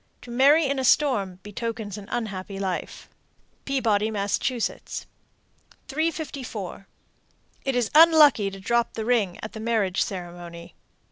To marry in a storm betokens an unhappy life. Peabody, Mass. 354. It is unlucky to drop the ring at the marriage ceremony.